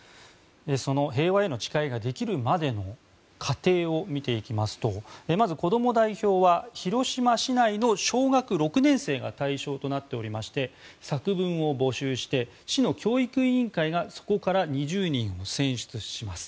その「平和への誓い」ができるまでの過程を見ていきますとまずこども代表は広島市内の小学６年生が対象となっておりまして作文を募集して市の教育委員会がそこから２０人を選出します。